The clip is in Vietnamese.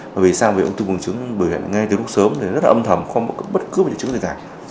vì sao vì ông thư buồng trứng bởi hiện ngay từ lúc sớm thì rất là âm thầm không có bất cứ bệnh trứng gì cả